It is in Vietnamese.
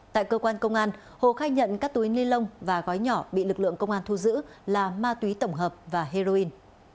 tại cơ quan công an hồ khai nhận các túi ni lông và gói nhỏ bị lực lượng công an thu giữ là ma túy tổng hợp và heroin